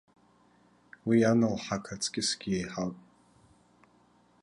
Уи ан лҳақ аҵкысгьы еиҳауп.